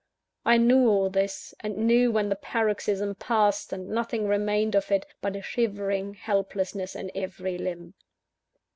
I knew all this; and knew when the paroxysm passed, and nothing remained of it, but a shivering helplessness in every limb.